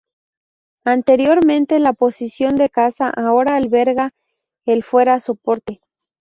Anteriormente la posición de casa, ahora alberga el fuera soporte.